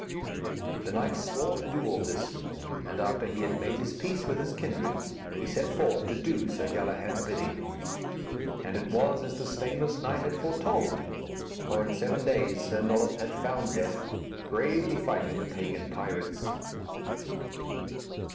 The knight swore to do all this, and after he had made his peace with his kindred, he set forth to do Sir Galahad's bidding. And it was as the stainless knight had foretold, for in seven days Sir Nulloth had found death, bravely fighting the pagan pirates.